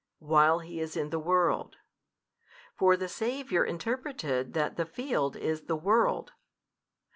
while he is in the world. For the Saviour interpreted that the field is the world.